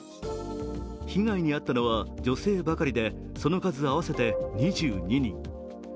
被害に遭ったのは女性ばかりでその数合わせて２２人。